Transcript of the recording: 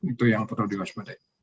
itu yang perlu diwaspadai